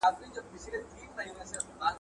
واسکوټ بې جیبه نه وي.